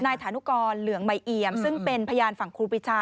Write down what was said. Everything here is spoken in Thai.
ฐานุกรเหลืองใหม่เอี่ยมซึ่งเป็นพยานฝั่งครูปีชา